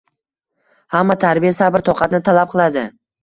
Hamma tarbiya sabr-toqatni talab qiladi